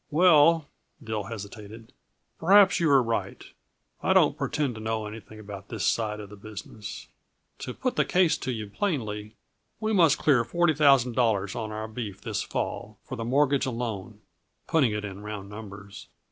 "Well," Dill hesitated, "perhaps you are right. I don't pretend to know anything about this side of the business. To put the case to you plainly, we must clear forty thousand dollars on our beef this fall, for the mortgage alone putting it in round numbers.